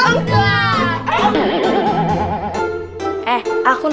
mu telah membuat